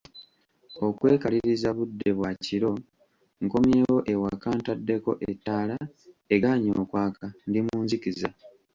Okwekaliriza budde bwa kiro, nkomyewo ewaka, ntaddeko ettaala, egaanye okwaka, ndi mu nzikiza!